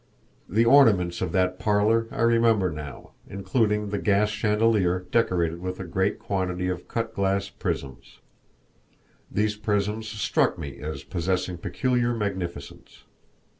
The ornaments of that parlor I remember now, including the gas chandelier decorated with a great quantity of cut glass prisms. These prisms struck me as possessing peculiar magnificence.